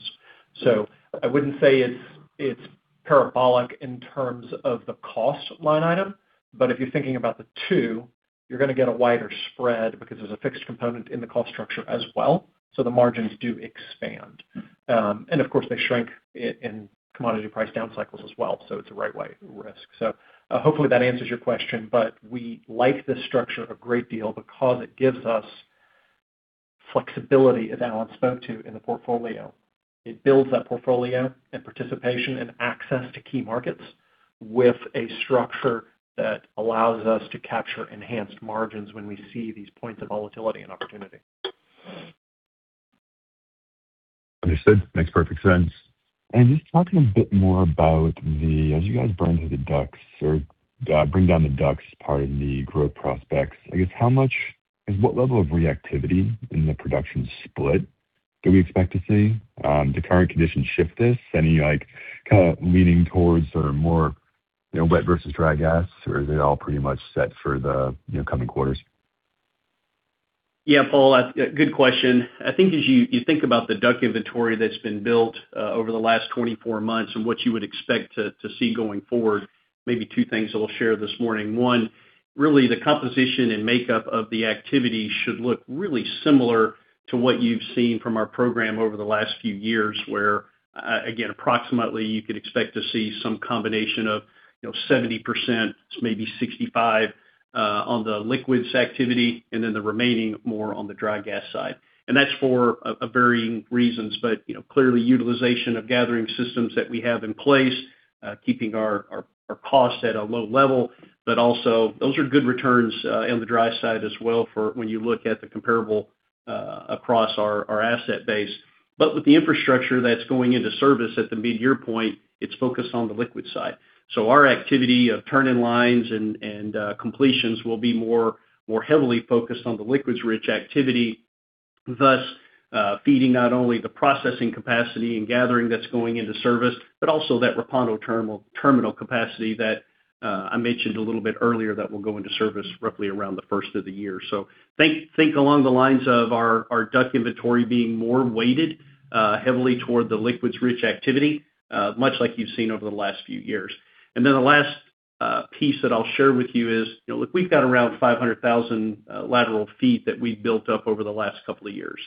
I wouldn't say it's parabolic in terms of the cost line item, but if you're thinking about the two, you're going to get a wider spread because there's a fixed component in the cost structure as well. The margins do expand. Of course, they shrink in commodity price down cycles as well. It's a right way risk. Hopefully that answers your question, but we like this structure a great deal because it gives us flexibility, as Alan spoke to, in the portfolio. It builds that portfolio and participation and access to key markets with a structure that allows us to capture enhanced margins when we see these points of volatility and opportunity. Understood. Makes perfect sense. Just talking a bit more about the DUCs as you guys burn through the DUCs or bring down the DUCs part of the growth prospects, I guess, what level of reactivity in the production split do we expect to see? Do current conditions shift this? Any kind of leaning towards more wet versus dry gas, or is it all pretty much set for the coming quarters? Yeah. Paul, good question. I think as you think about the DUC inventory that's been built over the last 24 months and what you would expect to see going forward, maybe two things that I'll share this morning. One, really the composition and makeup of the activity should look really similar to what you've seen from our program over the last few years, where again, approximately you could expect to see some combination of 70%, maybe 65% on the liquids activity, and then the remaining more on the dry gas side. That's for varying reasons. Clearly utilization of gathering systems that we have in place, keeping our costs at a low level. Also those are good returns on the dry side as well for when you look at the comparable across our asset base. With the infrastructure that's going into service at the mid-year point, it's focused on the liquids side. Our activity of turn-in-lines and completions will be more heavily focused on the liquids-rich activity, thus feeding not only the processing capacity and gathering that's going into service, but also that Repauno Terminal capacity that I mentioned a little bit earlier that will go into service roughly around the first of the year. Think along the lines of our DUC inventory being more weighted heavily toward the liquids-rich activity, much like you've seen over the last few years. The last piece that I'll share with you is, look, we've got around 500,000 lateral feet that we've built up over the last couple of years.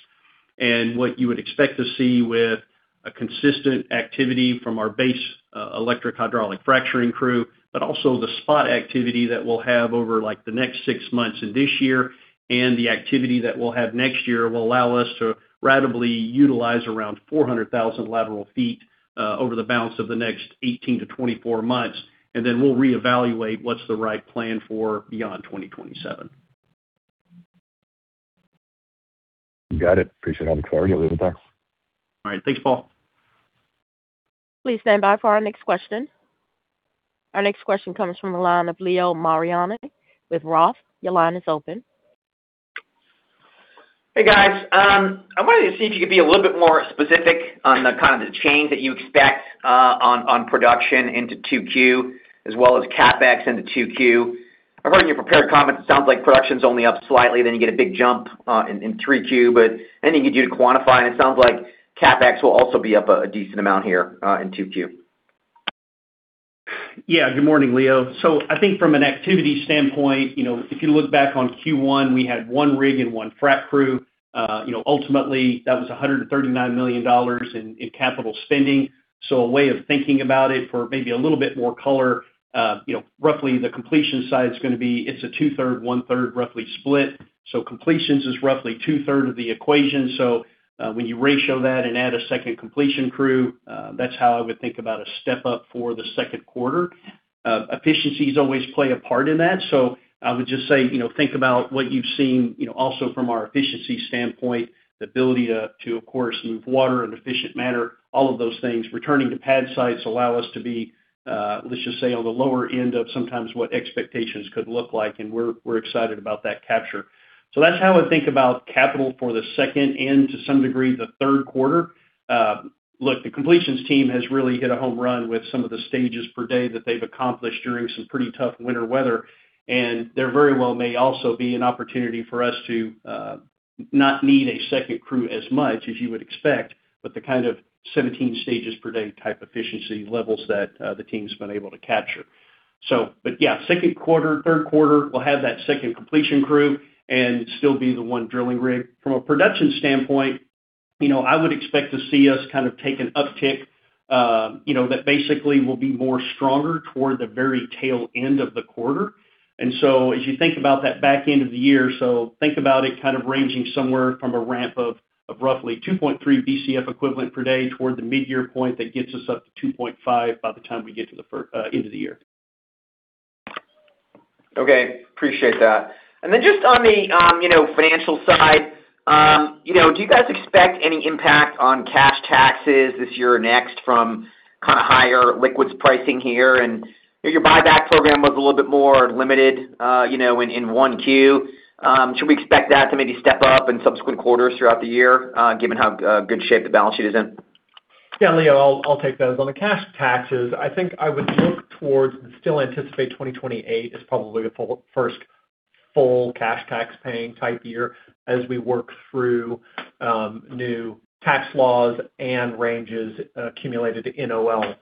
What you would expect to see with a consistent activity from our base electric hydraulic fracturing crew, but also the spot activity that we'll have over the next six months in this year, and the activity that we'll have next year will allow us to ratably utilize around 400,000 lateral feet over the balance of the next 18-24 months. We'll reevaluate what's the right plan for beyond 2027. Got it. Appreciate all the color. Give a little time. All right. Thanks, Paul. Please stand by for our next question. Our next question comes from the line of Leo Mariani with ROTH. Your line is open. Hey, guys. I wanted to see if you could be a little bit more specific on the kind of the change that you expect on production into 2Q, as well as CapEx into 2Q. I've heard in your prepared comments, it sounds like production's only up slightly, then you get a big jump in 3Q, but anything you'd quantify, and it sounds like CapEx will also be up a decent amount here in 2Q. Yeah. Good morning, Leo. I think from an activity standpoint, if you look back on Q1, we had one rig and one frac crew. Ultimately, that was $139 million in capital spending. A way of thinking about it for maybe a little bit more color, roughly the completion side, it's a two-thirds, one-third roughly split. Completions is roughly 2/3 of the equation. When you ratio that and add a second completion crew, that's how I would think about a step-up for the second quarter. Efficiencies always play a part in that. I would just say, think about what you've seen, also from our efficiency standpoint, the ability to, of course, move water in an efficient manner, all of those things. Returning to pad sites allow us to be, let's just say, on the lower end of sometimes what expectations could look like, and we're excited about that capture. That's how I would think about capital for the second and to some degree, the third quarter. Look, the completions team has really hit a home run with some of the stages per day that they've accomplished during some pretty tough winter weather, and there very well may also be an opportunity for us to not need a second crew as much as you would expect, but the kind of 17 stages per day type efficiency levels that the team's been able to capture. Yeah, second quarter, third quarter, we'll have that second completion crew and still be the one drilling rig. From a production standpoint, I would expect to see us take an uptick that basically will be more stronger toward the very tail end of the quarter as you think about that back end of the year, so think about it ranging somewhere from a ramp of roughly 2.3 Bcf equivalent per day toward the mid-year point that gets us up to 2.5 Bcf by the time we get to the end of the year. Okay. Appreciate that. Just on the financial side, do you guys expect any impact on cash taxes this year or next from higher liquids pricing here? Your buyback program was a little bit more limited in 1Q. Should we expect that to maybe step up in subsequent quarters throughout the year, given how good shape the balance sheet is in? Yeah, Leo, I'll take those. On the cash taxes, I think I would look towards and still anticipate 2028 as probably the first full cash tax paying type year as we work through new tax laws and Range's accumulated NOL,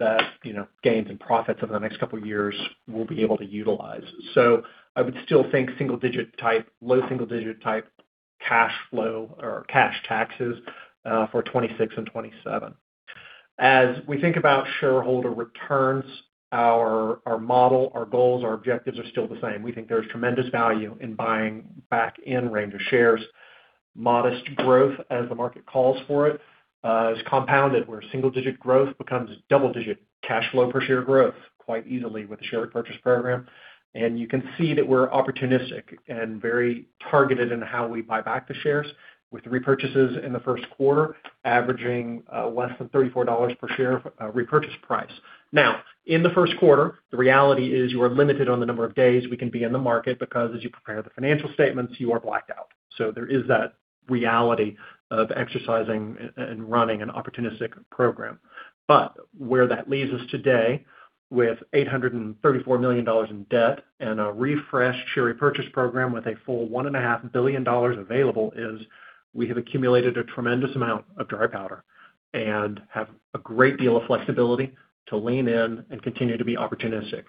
tax gains and profits over the next couple of years we'll be able to utilize. I would still think low single digit type cash flow or cash taxes for 2026 and 2027. As we think about shareholder returns, our model, our goals, our objectives are still the same. We think there's tremendous value in buying back Range shares. Modest growth as the market calls for it is compounded where single digit growth becomes double digit cash flow per share growth quite easily with the share repurchase program. You can see that we're opportunistic and very targeted in how we buy back the shares with repurchases in the first quarter averaging less than $34 per share repurchase price. Now, in the first quarter, the reality is you are limited on the number of days we can be in the market because as you prepare the financial statements, you are blacked out. There is that reality of exercising and running an opportunistic program. Where that leaves us today with $834 million in debt and a refreshed share repurchase program with a full $1.5 billion available is we have accumulated a tremendous amount of dry powder and have a great deal of flexibility to lean in and continue to be opportunistic.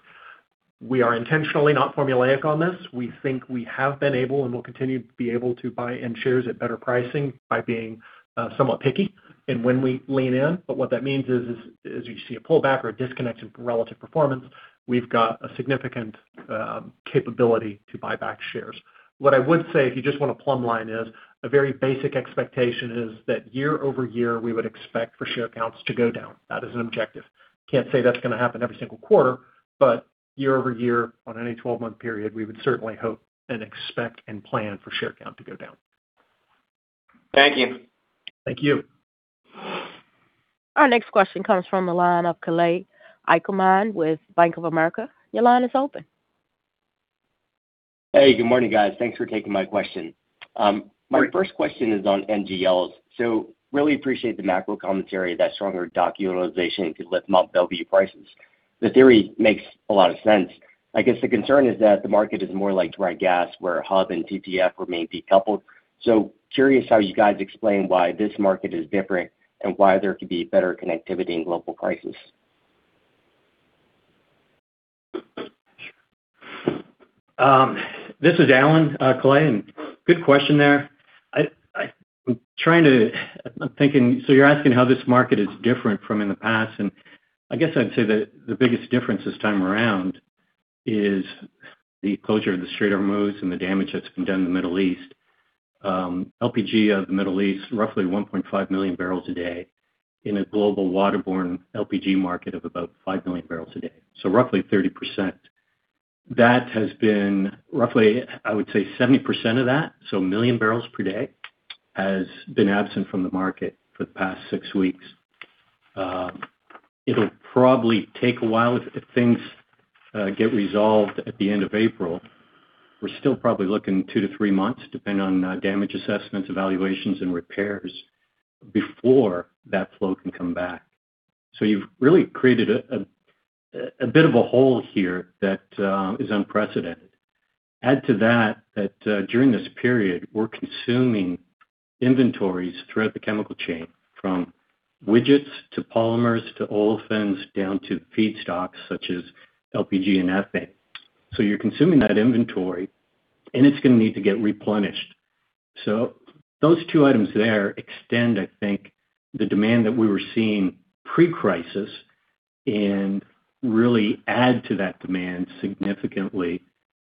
We are intentionally not formulaic on this. We think we have been able and will continue to be able to buy in shares at better pricing by being somewhat picky in when we lean in. What that means is, as you see a pullback or a disconnect in relative performance, we've got a significant capability to buy back shares. What I would say, if you just want to plumb line is, a very basic expectation is that year-over-year, we would expect for share counts to go down. That is an objective. Can't say that's going to happen every single quarter, but year-over-year, on any 12-month period, we would certainly hope and expect and plan for share count to go down. Thank you. Thank you. Our next question comes from the line of Kalei Akamine with Bank of America. Your line is open. Hey, good morning, guys. Thanks for taking my question. Good morning. My first question is on NGLs. Really appreciate the macro commentary that stronger dock utilization could lift Mont Belvieu prices. The theory makes a lot of sense. I guess the concern is that the market is more like dry gas, where hub and TTF remain decoupled. Curious how you guys explain why this market is different and why there could be better connectivity in global prices. This is Alan, Kalei, and good question there. You're asking how this market is different from in the past, and I guess I'd say that the biggest difference this time around is the closure of the Strait of Hormuz and the damage that's been done in the Middle East. LPG out of the Middle East, roughly 1.5 MMbpd in a global waterborne LPG market of about 5 MMbpd. Roughly 30%. That has been roughly, I would say, 70% of that, so 1 MMbpd, has been absent from the market for the past six weeks. It'll probably take a while. If things get resolved at the end of April, we're still probably looking two to three months, depending on damage assessments, evaluations, and repairs before that flow can come back. You've really created a bit of a hole here that is unprecedented. Add to that, during this period, we're consuming inventories throughout the chemical chain, from widgets to polymers to olefins down to feedstocks such as LPG and ethane. You're consuming that inventory, and it's going to need to get replenished. Those two items there extend, I think, the demand that we were seeing pre-crisis and really add to that demand significantly.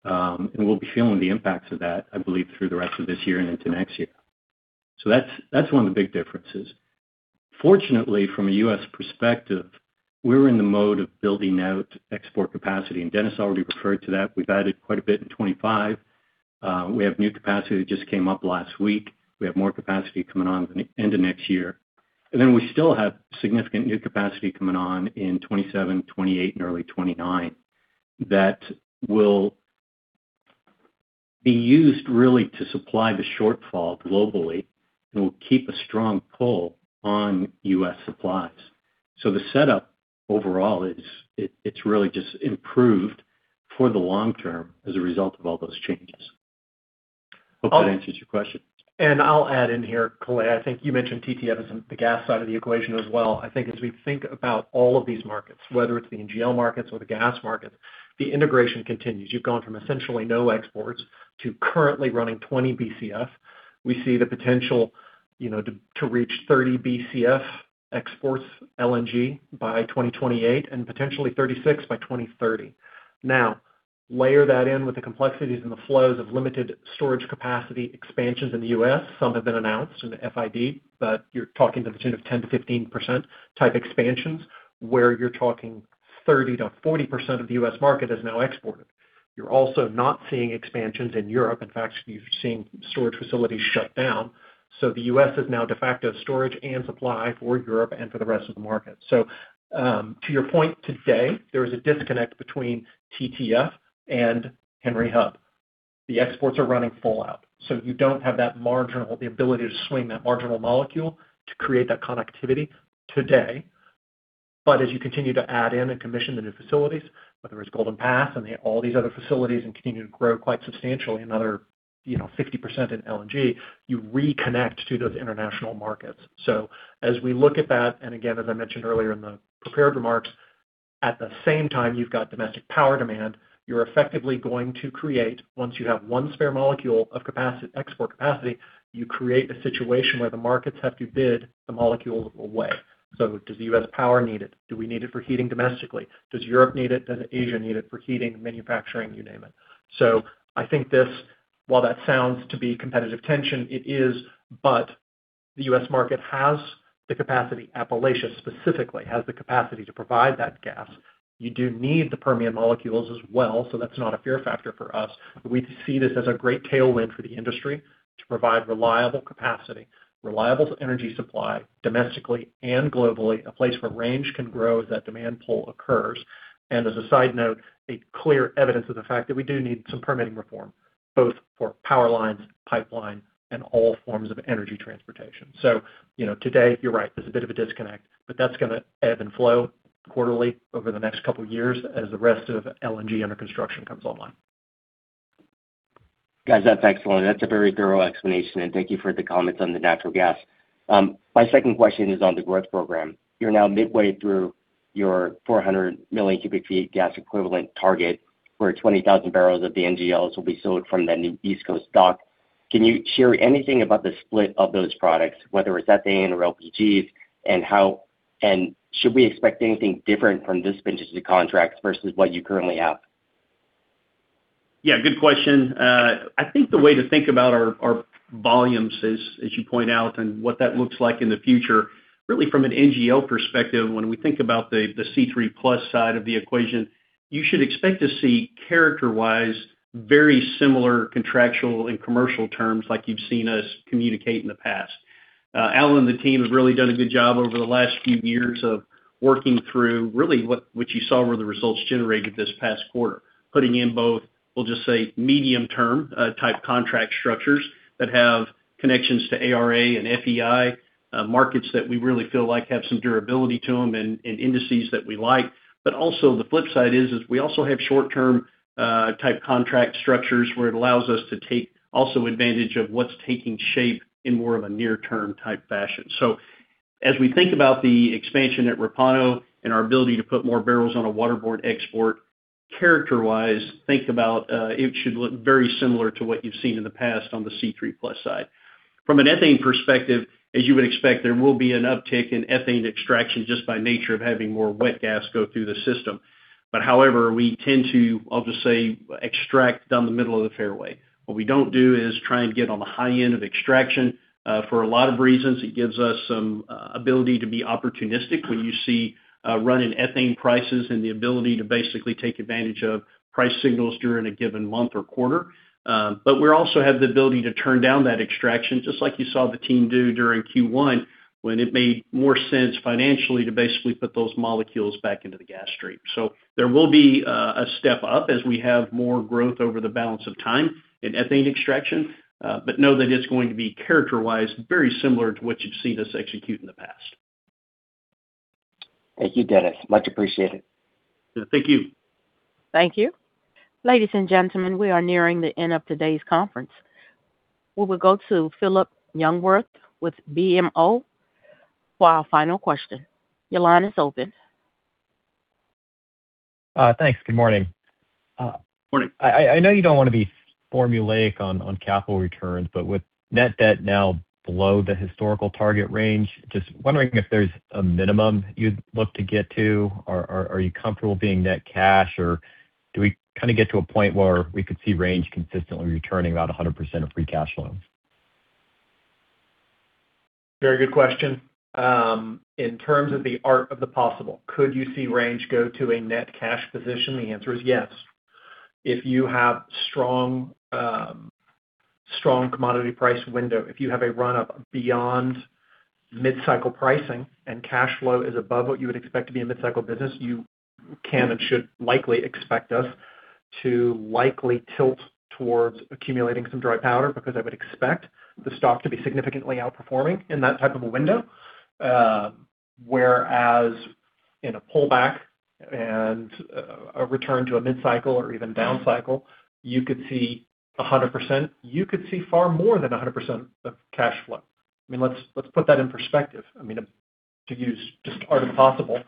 We'll be feeling the impacts of that, I believe, through the rest of this year and into next year. That's one of the big differences. Fortunately, from a U.S. perspective, we're in the mode of building out export capacity, and Dennis already referred to that. We've added quite a bit in 2025. We have new capacity that just came up last week. We have more capacity coming on in the end of next year. We still have significant new capacity coming on in 2027, 2028, and early 2029 that will be used really to supply the shortfall globally and will keep a strong pull on U.S. supplies. The setup overall, it's really just improved for the long term as a result of all those changes. Hope that answers your question. I'll add in here, Kalei, I think you mentioned TTF as the gas side of the equation as well. I think as we think about all of these markets, whether it's the NGL markets or the gas markets, the integration continues. You've gone from essentially no exports to currently running 20 Bcf. We see the potential to reach 30 Bcf exports LNG by 2028, and potentially 36 Bcf by 2030. Now, layer that in with the complexities and the flows of limited storage capacity expansions in the U.S. Some have been announced in the FID, but you're talking to the tune of 10%-15% type expansions, where you're talking 30%-40% of the U.S. market is now exported. You're also not seeing expansions in Europe. In fact, you're seeing storage facilities shut down. The U.S. is now de facto storage and supply for Europe and for the rest of the market. To your point today, there is a disconnect between TTF and Henry Hub. The exports are running full out, so you don't have the ability to swing that marginal molecule to create that connectivity today. As you continue to add in and commission the new facilities, whether it's Golden Pass and all these other facilities, and continue to grow quite substantially, another 50% in LNG, you reconnect to those international markets. As we look at that, and again, as I mentioned earlier in the prepared remarks, at the same time you've got domestic power demand. You're effectively going to create, once you have one spare molecule of export capacity, you create a situation where the markets have to bid the molecule away. Does the U.S. power need it? Do we need it for heating domestically? Does Europe need it? Does Asia need it for heating, manufacturing, you name it? I think this, while that sounds to be competitive tension, it is, but the U.S. market has the capacity, Appalachia specifically, has the capacity to provide that gas. You do need the Permian molecules as well, so that's not a fear factor for us. We see this as a great tailwind for the industry to provide reliable capacity, reliable energy supply domestically and globally, a place where Range can grow as that demand pull occurs. As a side note, a clear evidence of the fact that we do need some permitting reform, both for power lines, pipeline, and all forms of energy transportation. Today, you're right. There's a bit of a disconnect. That's going to ebb and flow quarterly over the next couple of years as the rest of LNG under construction comes online. Guys, that's excellent. That's a very thorough explanation, and thank you for the comments on the natural gas. My second question is on the growth program. You're now midway through your 400 MMcf gas equivalent target, where 20,000 bbl of the NGLs will be sold from the new East Coast dock. Can you share anything about the split of those products, whether it's ethane or LPGs, and should we expect anything different from this contingency contract versus what you currently have? Yeah, good question. I think the way to think about our volumes, as you point out, and what that looks like in the future, really from an NGL perspective, when we think about the C3+ side of the equation, you should expect to see, character-wise, very similar contractual and commercial terms like you've seen us communicate in the past. Alan and the team have really done a good job over the last few years of working through really what you saw were the results generated this past quarter. Putting in both, we'll just say, medium-term type contract structures that have connections to ARA and FEI markets that we really feel like have some durability to them and indices that we like. Also the flip side is we also have short-term type contract structures where it allows us to take also advantage of what's taking shape in more of a near-term type fashion. As we think about the expansion at Repauno and our ability to put more barrels on a waterborne export, character-wise, think about it should look very similar to what you've seen in the past on the C3+ side. From an ethane perspective, as you would expect, there will be an uptick in ethane extraction just by nature of having more wet gas go through the system. However, we tend to, I'll just say, extract down the middle of the fairway. What we don't do is try and get on the high end of extraction for a lot of reasons. It gives us some ability to be opportunistic when you see a run in ethane prices and the ability to basically take advantage of price signals during a given month or quarter. We also have the ability to turn down that extraction, just like you saw the team do during Q1, when it made more sense financially to basically put those molecules back into the gas stream. There will be a step up as we have more growth over the balance of time in ethane extraction. Know that it's going to be character-wise, very similar to what you've seen us execute in the past. Thank you, Dennis. Much appreciated. Thank you. Thank you. Ladies and gentlemen, we are nearing the end of today's conference. We will go to Phillip Jungwirth with BMO for our final question. Your line is open. Thanks. Good morning. Morning. I know you don't want to be formulaic on capital returns, but with net debt now below the historical target range, just wondering if there's a minimum you'd look to get to. Are you comfortable being net cash, or do we kind of get to a point where we could see Range consistently returning about 100% of free cash flow? Very good question. In terms of the art of the possible, could you see Range go to a net cash position? The answer is yes. If you have strong commodity price window, if you have a run-up beyond mid-cycle pricing and cash flow is above what you would expect to be a mid-cycle business, you can and should likely expect us to likely tilt towards accumulating some dry powder, because I would expect the stock to be significantly outperforming in that type of a window. Whereas in a pullback and a return to a mid-cycle or even down cycle, you could see 100%, you could see far more than 100% of cash flow. I mean, let's put that in perspective. I mean, to use just art of the possible,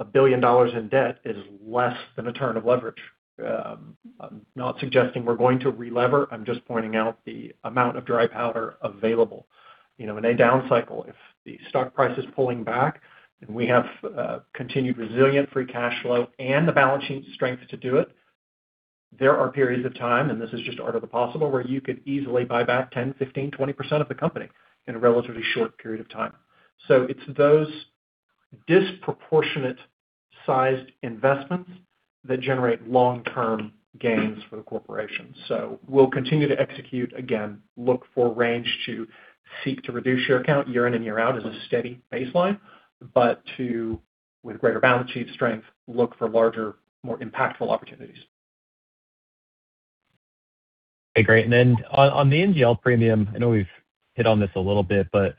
$1 billion in debt is less than a turn of leverage. I'm not suggesting we're going to relever. I'm just pointing out the amount of dry powder available. In a down cycle, if the stock price is pulling back and we have continued resilient free cash flow and the balance sheet strength to do it, there are periods of time, and this is just art of the possible, where you could easily buy back 10%, 15%, 20% of the company in a relatively short period of time. It's those disproportionate sized investments that generate long-term gains for the corporation. We'll continue to execute. Again, look for Range to seek to reduce share count year in and year out as a steady baseline, but to, with greater balance sheet strength, look for larger, more impactful opportunities. Okay, great. On the NGL premium, I know we've hit on this a little bit, but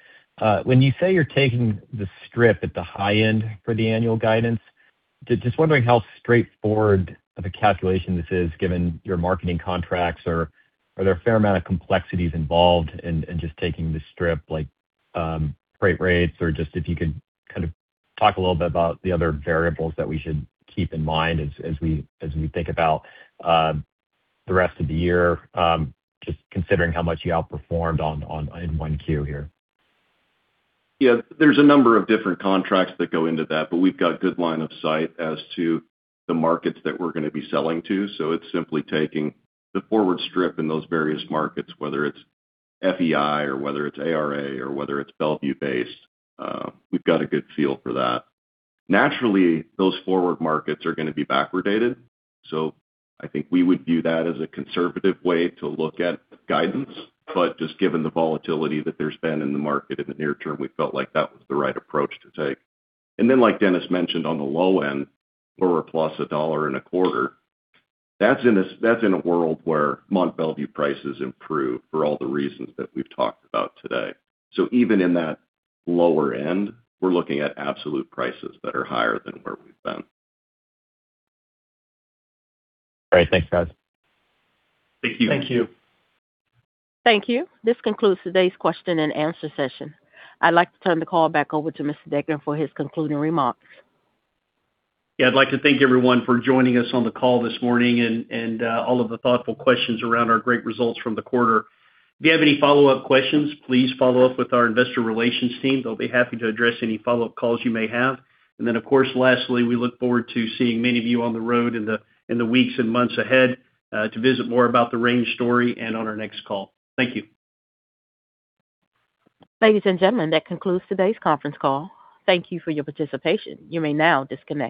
when you say you're taking the strip at the high end for the annual guidance, just wondering how straightforward of a calculation this is given your marketing contracts, or are there a fair amount of complexities involved in just taking the strip, like freight rates, or just if you could kind of talk a little bit about the other variables that we should keep in mind as we think about the rest of the year, just considering how much you outperformed in 1Q here? Yeah, there's a number of different contracts that go into that, but we've got good line of sight as to the markets that we're going to be selling to. It's simply taking the forward strip in those various markets, whether it's FEI or whether it's ARA or whether it's Mont Belvieu-based. We've got a good feel for that. Naturally, those forward markets are going to be backward dated, so I think we would view that as a conservative way to look at guidance. But just given the volatility that there's been in the market in the near term, we felt like that was the right approach to take. Then, like Dennis mentioned, on the low end, lower plus $1.25, that's in a world where Mont Belvieu prices improve for all the reasons that we've talked about today. Even in that lower end, we're looking at absolute prices that are higher than where we've been. Great. Thanks, guys. Thank you. Thank you. Thank you. This concludes today's question and answer session. I'd like to turn the call back over to Mr. Degner for his concluding remarks. Yeah, I'd like to thank everyone for joining us on the call this morning and all of the thoughtful questions around our great results from the quarter. If you have any follow-up questions, please follow up with our investor relations team. They'll be happy to address any follow-up calls you may have. Of course, lastly, we look forward to seeing many of you on the road in the weeks and months ahead, to visit more about the Range story and on our next call. Thank you. Ladies and gentlemen, that concludes today's conference call. Thank you for your participation. You may now disconnect.